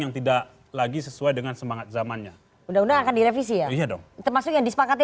yang tidak lagi sesuai dengan semangat zamannya udah akan direvisi ya ya dong termasuk dispakati